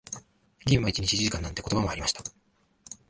ゲームは一日一時間なんて言葉もありました。